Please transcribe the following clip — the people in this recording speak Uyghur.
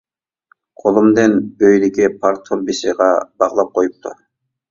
قولۇمدىن ئۆيدىكى پار تۇرۇبىسىغا باغلاپ قويۇپتۇ.